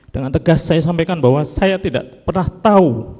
dengan tegas saya sampaikan bahwa saya tidak pernah tahu